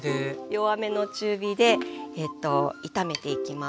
弱めの中火で炒めていきます。